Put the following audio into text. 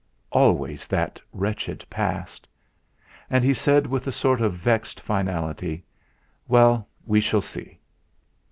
Always that wretched past! And he said with a sort of vexed finality: "Well, we shall see."